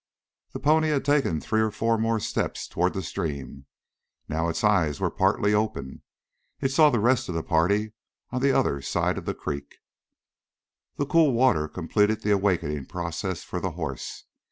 The pony had taken three or four more steps toward the stream. Now its eyes were partly open. It saw the rest of the party on the other side of the creek. The cool water completed the awakening process for the horse.